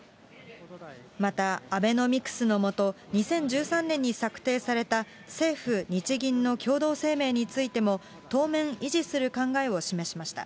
またアベノミクスの下、２０１３年に策定された政府・日銀の共同声明についても、当面維持する考えを示しました。